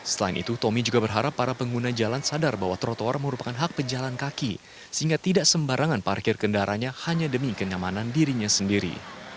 selain itu tommy juga berharap para pengguna jalan sadar bahwa trotoar merupakan hak pejalan kaki sehingga tidak sembarangan parkir kendaraannya hanya demi kenyamanan dirinya sendiri